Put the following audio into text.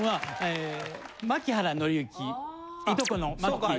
いとこのマッキー。